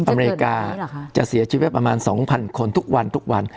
อเมริกาจะเสียชีวิตประมาณ๒๐๐คนทุกวันทุกวัน